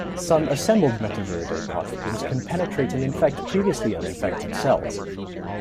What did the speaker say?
Some assembled Metaviridae particles can penetrate and infect previously uninfected cells.